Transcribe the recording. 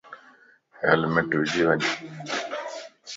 ھيلمٽ وجي وڃ